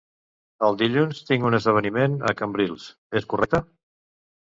El dilluns tinc un esdeveniment a Cambrils; és correcte?